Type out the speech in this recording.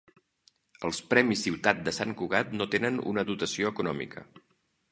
Els Premis Ciutat de Sant Cugat no tenen una dotació econòmica.